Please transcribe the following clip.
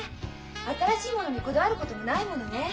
新しい物にこだわることもないものね。